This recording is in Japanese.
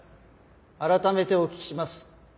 改めてお聞きします。